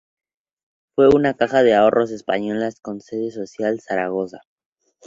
Fue una caja de ahorros española, con sede social en Zaragoza.